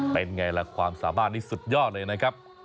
เป็นไงล่ะความสามารถนี้สุดยอดเลยนะครับ